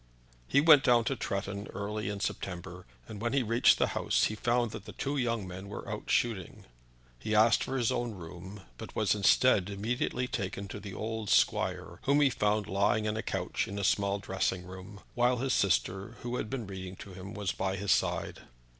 He went down to Tretton alone early in September, and when he reached the house he found that the two young men were out shooting. He asked for his own room, but was instead immediately taken to the old squire, whom he found lying on a couch in a small dressing room, while his sister, who had been reading to him, was by his side.